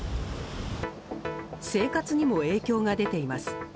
生活にも影響が出ています。